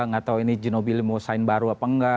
gak tau ini ginobili mau sign baru apa enggak